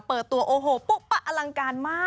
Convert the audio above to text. เปิดตัวโอ้โหปุ๊กปะอลังการมาก